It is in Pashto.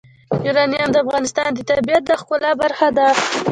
یورانیم د افغانستان د طبیعت د ښکلا برخه ده.